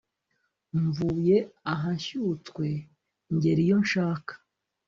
Mvuye aha nshyutswe ngera iyo nshak